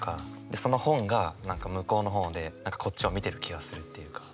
でその本が向こうの方でこっちを見てる気がするっていうか。